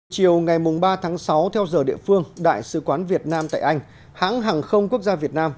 chiều ngày ba tháng sáu theo giờ địa phương đại sứ quán việt nam tại anh hãng hàng không quốc gia việt nam